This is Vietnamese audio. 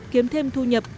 kiếm thêm thu nhập